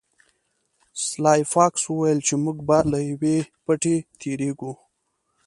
سلای فاکس وویل چې موږ به له یوه پټي تیریږو